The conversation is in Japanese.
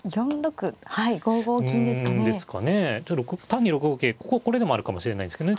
単に６五桂こここれでもあるかもしれないですけどね